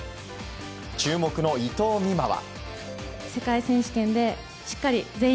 注目の伊藤美誠は。